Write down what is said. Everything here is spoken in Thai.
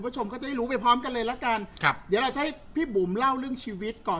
เดี๋ยวเราจะให้พี่บุ๋มเล่าเรื่องชีวิตก่อน